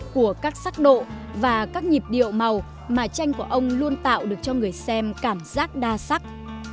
của các sắc độ và các nhịp điệu màu mà tranh của ông luôn tạo được cho người xem cảm giác đa sắc